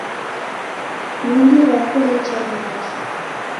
Mindi rako recha milacha